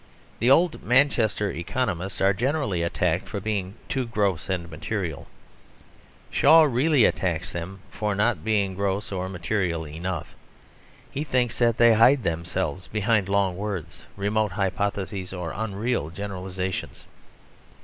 The old Manchester economists are generally attacked for being too gross and material. Shaw really attacks them for not being gross or material enough. He thinks that they hide themselves behind long words, remote hypotheses or unreal generalisations.